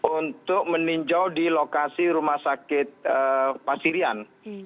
untuk meninjau di lokasi rumah sakit pasirian